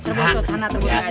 terbawa suasana terbawa suasana